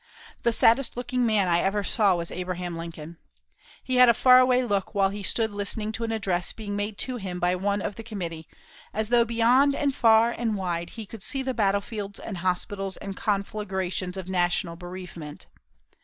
The saddest looking man I ever saw was Abraham Lincoln. He had a far away look while he stood listening to an address being made to him by one of the committee, as though beyond and far and wide he could see the battlefields and hospitals and conflagrations of national bereavement.